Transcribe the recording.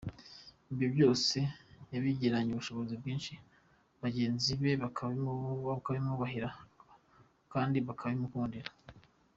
Ibyo byose yabigiranye ubushobozi bwinshi bagenzi be bakabimwubahira kandi bakabimukundira.